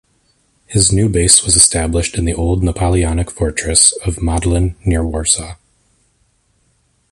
His new base was established in the old Napoleonic fortress of Modlin, near Warsaw.